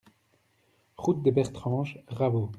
Route des Bertranges, Raveau